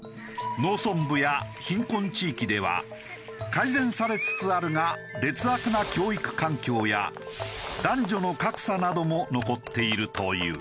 改善されつつあるが劣悪な教育環境や男女の格差なども残っているという。